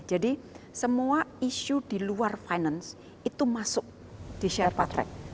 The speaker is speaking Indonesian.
jadi semua isu di luar finance itu masuk di sherpa track